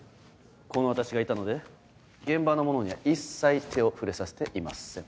この私がいたので現場のものには一切手を触れさせていません。